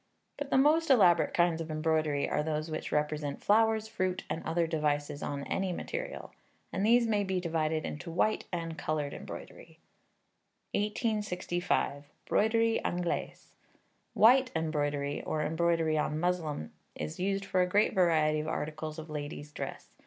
But the most elaborate kinds of embroidery are those which represent flowers, fruit, and other devices on any material; and these may be divided into white and coloured embroidery. 1865. Broderie Anglaise. White embroidery, or embroidery on muslin, is used for a great variety of articles of ladies' dress.